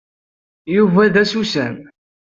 Yuba d asusam.